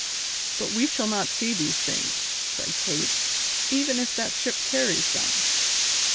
"But we shall not see these things," said Kate, "even if that ship carries them.